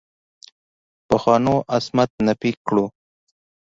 پخوانو عصمت نفي کړو.